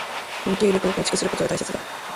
連携力を構築することが大切だ。